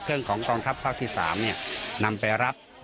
เครื่องของกองทัพภาพที่๓นำไปรับ